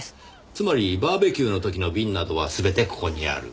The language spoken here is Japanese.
つまりバーベキューの時の瓶などはすべてここにある。